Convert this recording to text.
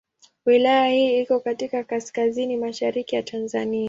Wilaya hii iko katika kaskazini mashariki ya Tanzania.